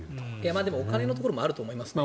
でも、お金のところもあると思いますね。